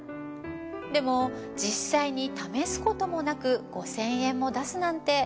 でも実際に試すこともなく５，０００円も出すなんて。